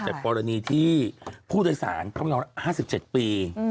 จากปรณีที่ผู้โดยสารของเรา๕๗ปี